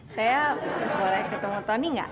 saya boleh ketemu tony nggak